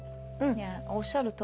いやおっしゃるとおり。